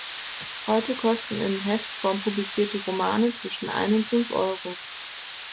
Heute kosten in Heftform publizierte Romane zwischen ein und fünf Euro.